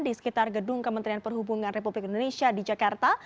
di sekitar gedung kementerian perhubungan republik indonesia di jakarta